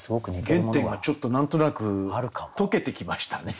原点がちょっと何となく解けてきましたね。